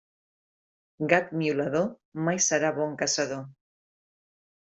Gat miolador, mai serà bon caçador.